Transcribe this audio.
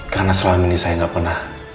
karena selama ini saya nggak pernah